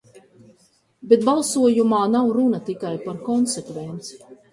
Bet balsojumā nav runa tikai par konsekvenci.